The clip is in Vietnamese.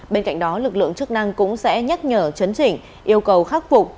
bên cạnh đó lực lượng chức năng cũng sẽ nhắc nhở chấn chỉnh yêu cầu khắc phục